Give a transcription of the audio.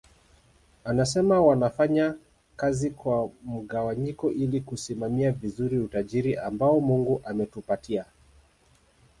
Anasema wanafanya kazi kwa mgawanyiko ili kusimamia vizuri utajiri ambao Mungu ametupatia